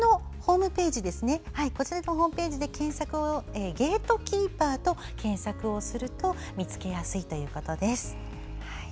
こちらのホームページでゲートキーパーと検索をすると見つけやすいということです。